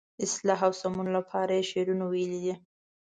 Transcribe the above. اصلاح او سمون لپاره یې شعرونه ویلي دي.